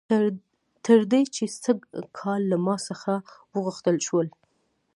تر دې چې سږ کال له ما څخه وغوښتل شول